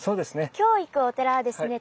今日行くお寺はですね